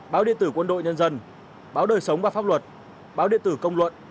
báo điện tử quân đội nhân dân báo đời sống và pháp luật báo điện tử công luận